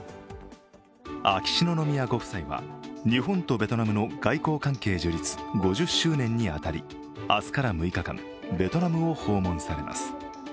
秋篠宮ご夫妻は、日本とベトナムの外交関係樹立５０周年に当たり明日から６日間、ベトナムを訪問されます。